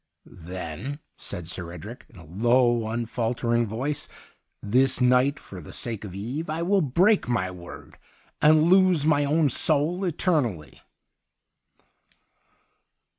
' Then,' said Sir Edric, in a low, unfaltering voice, ' this night for the sake of Eve I will break my word, and lose my own soul eter nally.